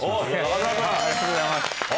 ありがとうございます。